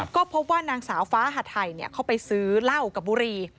ก็พบว่านางสาวฟ้าหาไทยเข้าไปซื้อเหล้ากับบุรี